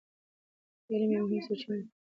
د علم یوې مهمې سرچینې د کتاب په مطالعه کې ده.